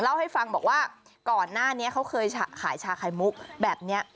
เล่าให้ฟังบอกว่าก่อนหน้านี้เขาเคยขายชาไข่มุกแบบนี้